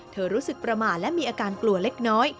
รู้สึกประมาทและมีอาการกลัวเล็กน้อย